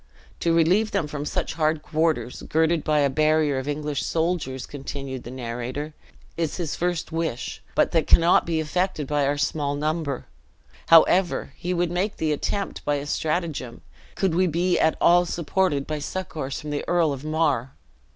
"To relieve them from such hard quarters, girded by a barrier of English soldiers," continued the narrator, "is his first wish: but that cannot be effected by our small number. However, he would make the attempt by a strategem, could we be at all supported by succors from the Earl of Mar!"